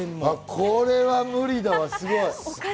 これは無理だわ、すごい。